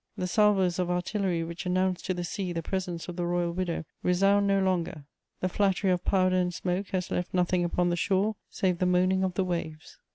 The salvoes of artillery which announced to the sea the presence of the royal widow resound no longer; the flattery of powder and smoke has left nothing upon the shore save the moaning of the waves.